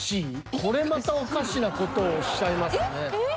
これまたおかしな事をおっしゃいますね。